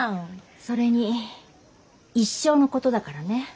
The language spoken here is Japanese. それに一生のことだからね。